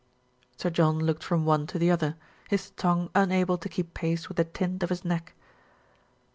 Sir John looked from one to the other, his tongue unable to keep pace with the tint of his neck.